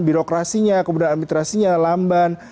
birokrasinya kemudahan administrasinya lamban